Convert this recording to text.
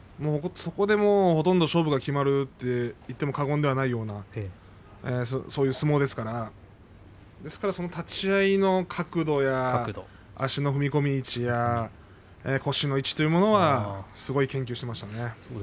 そこでほとんど勝負が決まるといっても過言ではないようなそういう相撲ですからですから立ち合いの角度や足の踏み込みの位置腰の位置というものはすごい研究していましたね。